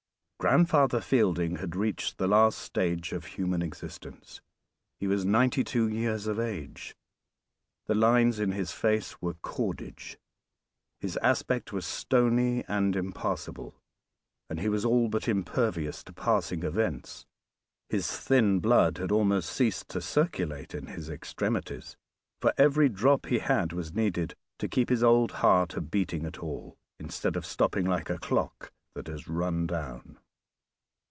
Grandfather Fielding had reached the last stage of human existence. He was ninety two years of age. The lines in his face were cordage, his aspect was stony and impassible, and he was all but impervious to passing events; his thin blood had almost ceased to circulate in his extremities; for every drop he had was needed to keep his old heart a beating at all, instead of stopping like a clock that has run down.